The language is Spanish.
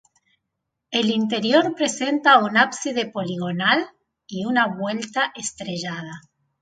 El interior presenta un ábside poligonal y una vuelta estrellada.